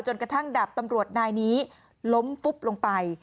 กระทั่งดาบตำรวจนายนี้ล้มฟุบลงไป